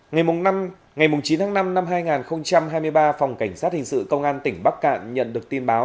ngày năm ngày chín tháng năm năm hai nghìn hai mươi ba phòng cảnh sát hình sự công an tỉnh bắc cạn nhận được tin báo